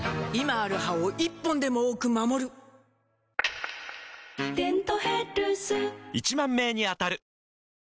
今ある歯を１本でも多く守る「デントヘルス」１０，０００名に当たる！